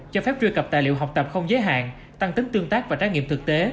cho phép truy cập tài liệu học tập không giới hạn tăng tính tương tác và trải nghiệm thực tế